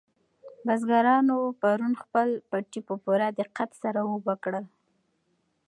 بزګرانو پرون خپل پټي په پوره دقت سره اوبه کړل.